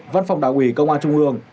văn phòng đảng ủy công an trung ương